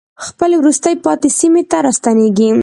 خپلې وروسته پاتې سیمې ته راستنېږي.